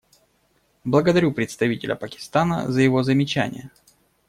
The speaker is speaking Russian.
Благодарю представителя Пакистана за его замечания.